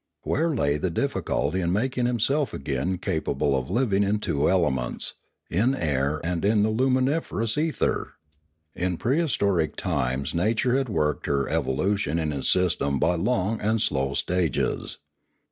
Where lay the difficulty in making himself again capable of living in two elements, in air and in the luminiferous ether? In prehistoric times nature had worked her evolution in his system by long and slow stages.